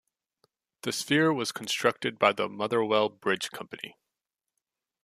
The sphere was constructed by the Motherwell Bridge Company.